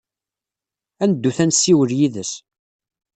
Ad neddut ad nessiwel yid-s.